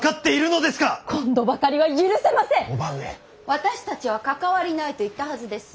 私たちは関わりないと言ったはずです。